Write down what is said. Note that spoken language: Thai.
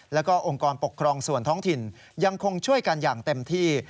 แล้วก็องค์กรปกครองส่วนท้องถิ่นยังคงช่วยกันอย่างเต็มที่